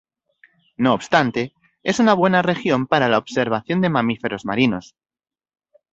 No obstante, es una buena región para la observación de mamíferos marinos.